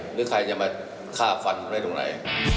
หรือใครจะมาฆ่าฟันของในตรงใน